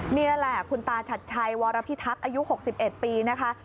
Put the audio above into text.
นี่แหละคุณตาชัดชัยวรพิทักษ์อายุ๖๑ปีนะคะ